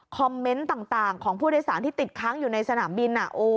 เมนต์ต่างของผู้โดยสารที่ติดค้างอยู่ในสนามบิน